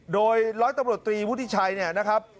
โดยร้อยตำรวจตรีวุฒิชัยเนี่ยนะครับ